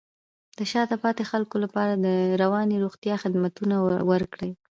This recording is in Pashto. د شاته پاتې خلکو لپاره د رواني روغتیا خدمتونه ورکړئ.